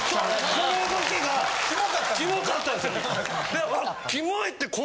そのボケがキモかったんですよ。